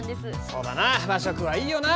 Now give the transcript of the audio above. そうだな。